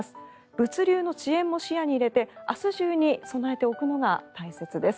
物流の遅延も視野に入れて明日中に備えておくのが大切です。